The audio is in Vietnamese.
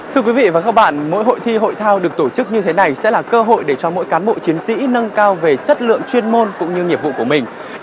thưa quý vị và các bạn mỗi hội thi hội thao được tổ chức như thế này sẽ là cơ hội để cho mỗi cán bộ chiến sĩ nâng cao về chất lượng chuyên môn cũng như nghiệp vụ của mình